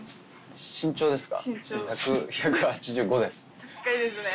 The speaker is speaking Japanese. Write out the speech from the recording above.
身長ですか？